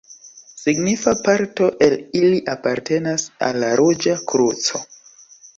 Signifa parto el ili apartenas al la Ruĝa Kruco.